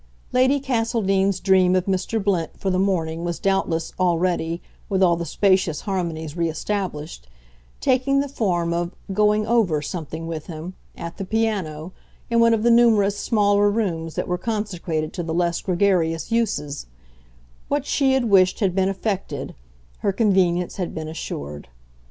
Lady Castledean's dream of Mr. Blint for the morning was doubtless already, with all the spacious harmonies re established, taking the form of "going over" something with him, at the piano, in one of the numerous smaller rooms that were consecrated to the less gregarious uses; what she had wished had been effected her convenience had been assured.